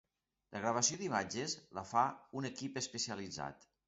La gravació d'imatges la fa un equip especialitzat.